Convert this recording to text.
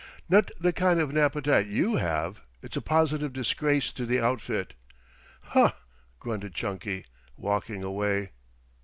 "Not the kind of an appetite you have. It's a positive disgrace to the outfit." "Huh!" grunted Chunky, walking away.